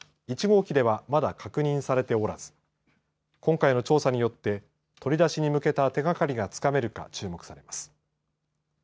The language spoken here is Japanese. １号機ではまだ確認されておらず今回の調査によって取り出しに向けた手掛かりがつかめるか注目されます。